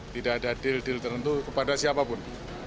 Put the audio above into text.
tidak ada deal deal tertentu kepada siapapun